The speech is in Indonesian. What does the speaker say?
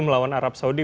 melawan arab saudi